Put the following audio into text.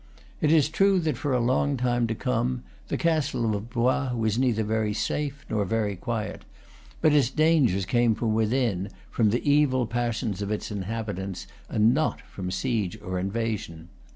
It is true that for a long time to come the castle of Blois was neither very safe nor very quiet; but its dangers came from within, from the evil passions of its inhabitants, and not from siege or in vasion.